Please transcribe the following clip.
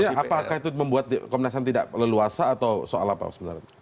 apakah itu membuat komnas ham tidak leluasa atau soal apa sebenarnya